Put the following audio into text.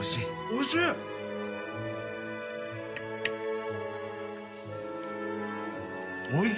おいしい！